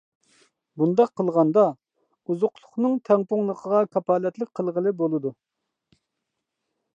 بۇنداق قىلغاندا، ئوزۇقلۇقنىڭ تەڭپۇڭلۇقىغا كاپالەتلىك قىلغىلى بولىدۇ.